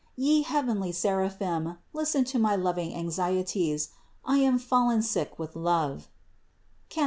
Ye heavenly seraphim, listen to my loving anxieties; I am fallen sick with love (Cant.